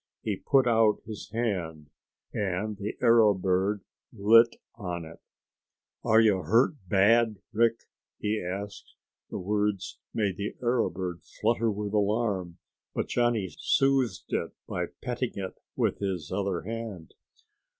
He put out his hand and the arrow bird lit on it. "Are you hurt bad, Rick?" he asked. The words made the arrow bird flutter with alarm, but Johnny soothed it by petting it with his other hand.